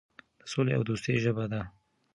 د سولې او دوستۍ ژبه ده.